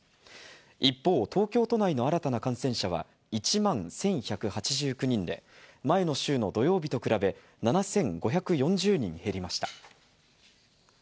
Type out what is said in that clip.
一方、東京都内の新たな感染者は１万１１８９人で、前の週の土曜日と比べ７５４０人減りました。